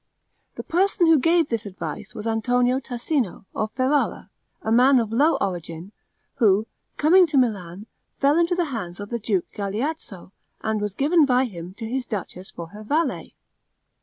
The person who gave this advice was Antonio Tassino, of Ferrara, a man of low origin, who, coming to Milan, fell into the hands of the duke Galeazzo, and was given by him to his duchess for her valet.